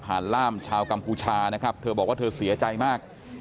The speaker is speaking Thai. ล่ามชาวกัมพูชานะครับเธอบอกว่าเธอเสียใจมาก